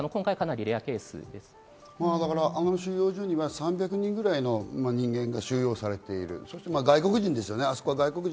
あの収容所には３００人ぐらいの人間が収容されている外国人ですよね。